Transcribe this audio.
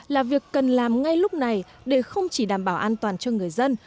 là việc cần làm ngay lúc này để không chỉ đảm bảo an toàn cho người dân